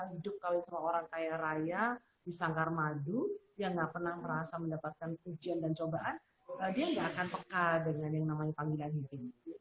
hidup kalau orang kaya raya di sangkar madu dia nggak pernah merasa mendapatkan pujian dan cobaan dia nggak akan peka dengan yang namanya panggilan itu